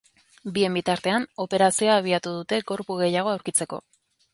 Bien bitartean, operazioa abiatu dute gorpu gehiago aurkitzeko.